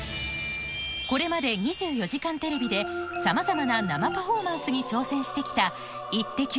これまで『２４時間テレビ』でさまざまな生パフォーマンスに挑戦してきたイッテＱ！